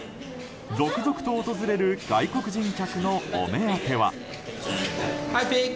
続々と訪れる外国人客のお目当ては。